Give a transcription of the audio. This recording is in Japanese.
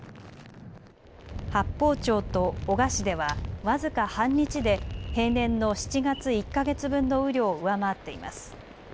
八峰町と男鹿市では僅か半日で平年の７月１か月分の雨量を上回っています。